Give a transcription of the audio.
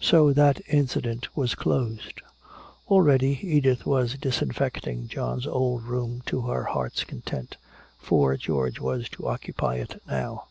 So that incident was closed. Already Edith was disinfecting John's old room to her heart's content, for George was to occupy it now.